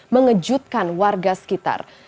mengejutkan warga sekitar